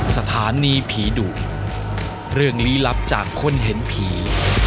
สถานีผีดุเรื่องลี้ลับจากคนเห็นผี